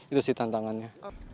itu sih tantangannya